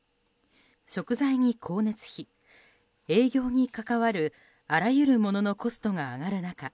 食材に光熱費、営業に関わるあらゆるもののコストが上がる中